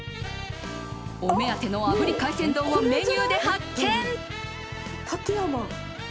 お目当ての炙り海鮮丼をメニューで発見。